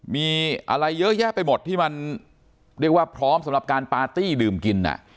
มีอะไรเยอะแยะไปหมดที่มันเรียกว่าพร้อมสำหรับการปาร์ตี้ดื่มกิน